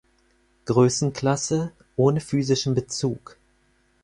Größenklasse, ohne physischen Bezug.